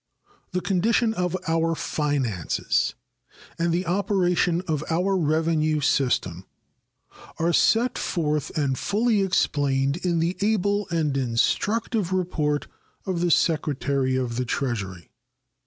The condition of our finances and the operations of our revenue system are set forth and fully explained in the able and instructive report of the Secretary of the Treasury.